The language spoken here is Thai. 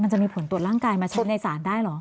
จะมีผลตรวจร่างกายมาใช้ในสารได้เหรอ